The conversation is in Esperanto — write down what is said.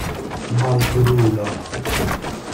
Malpurulo.